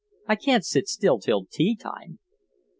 "I can't sit still till tea time." Mr.